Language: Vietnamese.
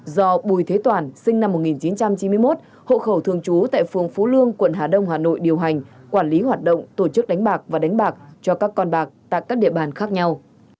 do bùi thế toàn sinh năm một nghìn chín trăm chín mươi một hộ khẩu thường trú tại phường phú lương quận hà đông hà nội điều hành quản lý hoạt động tổ chức đánh bạc và đánh bạc cho các con bạc tại các địa bàn khác nhau